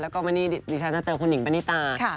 แล้วก็วันนี้ดิฉันจะเจอคุณหิงปณิตา